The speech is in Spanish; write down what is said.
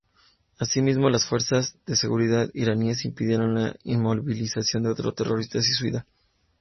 Asimismo, las fuerzas de seguridad iraníes impidieron la inmolación de otro terrorista suicida.